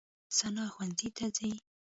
ثنا ښوونځي ته ځي.